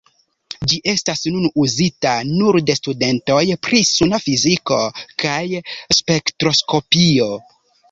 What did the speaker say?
Ĝi estas nun uzita nur de studentoj pri suna fiziko kaj spektroskopio.